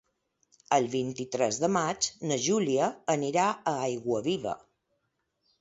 El vint-i-tres de maig na Júlia anirà a Aiguaviva.